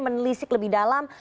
menelisik lebih dalam